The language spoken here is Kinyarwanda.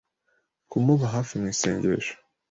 kumuba hafi mu isengesho